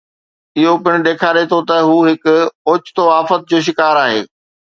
اهو پڻ ڏيکاري ٿو ته هو هڪ اوچتو آفت جو شڪار آهي